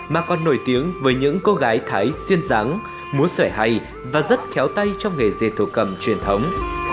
mà còn nổi tiếng với những cô gái thái xuyên giắng mua sợi hay và rất khéo tay trong nghề dây thủ cầm truyền thống